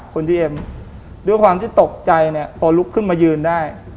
คุณทีเอ็มด้วยความที่ตกใจเนี่ยพอลุกขึ้นมายืนได้